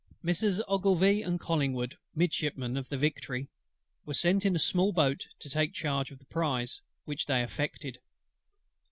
MESSRS. OGILVIE and COLLINGWOOD, Midshipmen of the Victory, were sent in a small boat to take charge of the prize, which they effected.